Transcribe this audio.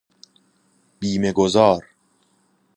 بیمه گذار